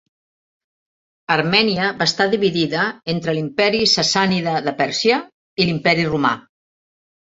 Armènia va estar dividida entre l'Imperi sassànida de Pèrsia i l'Imperi romà.